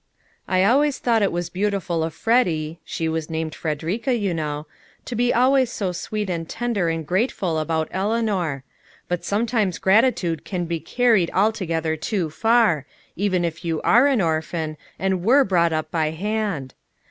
I always thought it was beautiful of Freddy (she was named Frederica, you know) to be always so sweet and tender and grateful about Eleanor; but sometimes gratitude can be carried altogether too far, even if you are an orphan, and were brought up by hand.